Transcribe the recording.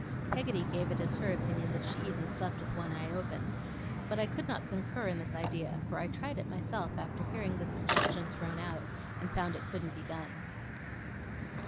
Peggotty gave it as her opinion that she even slept with one eye open; but I could not concur in this idea; for I tried it myself after hearing the suggestion thrown out, and found it couldn't be done.